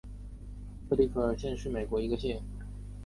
克利尔克里克县是美国科罗拉多州中北部的一个县。